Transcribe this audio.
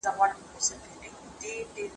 زه مخکي چپنه پاک کړې وه؟!